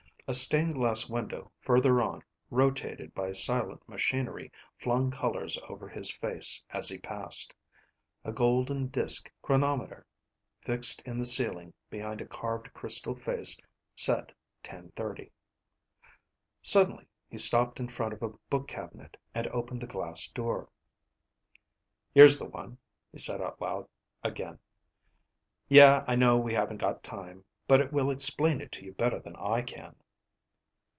A stained glass window further on rotated by silent machinery flung colors over his face as he passed. A golden disk chronometer fixed in the ceiling behind a carved crystal face said ten thirty. Suddenly he stopped in front of a book cabinet and opened the glass door. "Here's the one," he said out loud again. "Yeah, I know we haven't got time, but it will explain it to you better than I can."